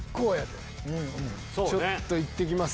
ちょっと行ってきます。